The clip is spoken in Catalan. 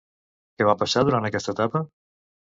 Què va passar durant aquesta etapa?